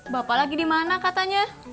bapak lagi di mana katanya